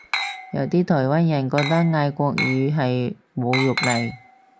有啲台灣人覺得嗌國語係侮辱嚟